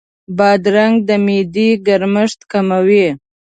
بادرنګ د معدې ګرمښت کموي.